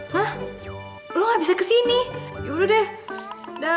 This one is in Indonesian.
hah lo gak bisa kesini yaudah deh da